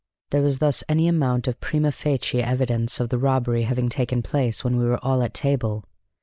There was thus any amount of prima facie evidence of the robbery having taken place when we were all at table.